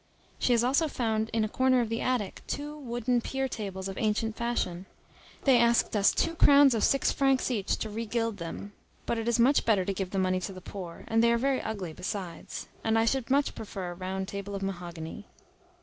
She has also found in a corner of the attic two wooden pier tables of ancient fashion. They asked us two crowns of six francs each to regild them, but it is much better to give the money to the poor; and they are very ugly besides, and I should much prefer a round table of mahogany.